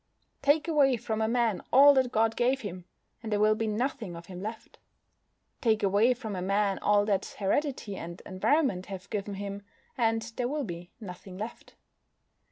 Take away from a man all that God gave him, and there will be nothing of him left. Take away from a man all that heredity and environment have given him, and there will be nothing left.